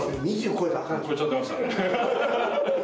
超えちゃってましたね。